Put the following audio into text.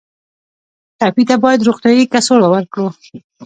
ټپي ته باید روغتیایي کڅوړه ورکړو.